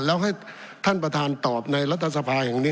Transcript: แล้วให้ท่านประธานตอบในรัฐสภาแห่งนี้